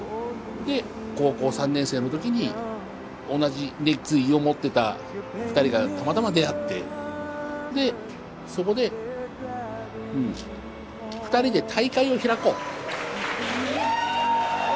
で高校３年生の時に同じ熱意を持ってた２人がたまたま出会ってでそこでうん２人で大会を開こう。